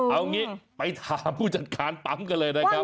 เอางี้ไปถามผู้จัดการปั๊มกันเลยนะครับ